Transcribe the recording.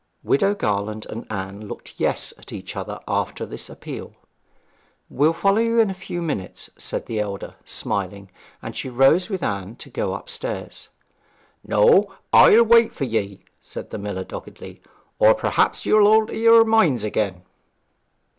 Widow Garland and Anne looked yes at each other after this appeal. 'We'll follow you in a few minutes,' said the elder, smiling; and she rose with Anne to go upstairs. 'No, I'll wait for ye,' said the miller doggedly; 'or perhaps you'll alter your mind again.'